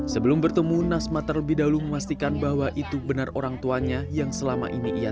sebelum bertemu nasma terlebih dahulu memastikan bahwa itu benar orang tuanya yang selama ini ia